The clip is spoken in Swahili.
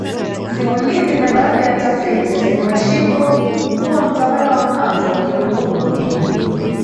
simulizi na baadhi ya tafiti zenye mashiko kuwa Mtawala wa mwanzo wa Kiluguru ni